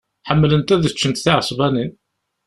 Ḥemmlent ad ččent tiɛesbanin.